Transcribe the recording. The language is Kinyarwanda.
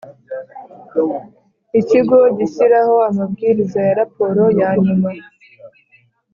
Ikigo gishyiraho amabwiriza ya raporo ya nyuma